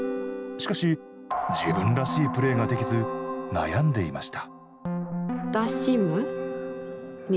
しかし自分らしいプレーができず悩んでいました。